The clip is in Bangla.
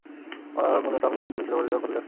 আমার মনে হয় টম বলেছিল যে ওর পদবি জ্যাকসন।